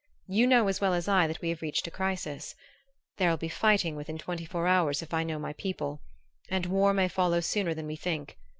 You know as well as I that we have reached a crisis. There will be fighting within twenty four hours, if I know my people; and war may follow sooner than we think.